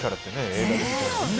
映画で。